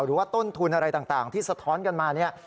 หรือว่าต้นทุนอะไรต่างที่สะท้อนกันมาเนี่ย